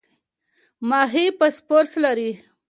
ماهي فاسفورس لري.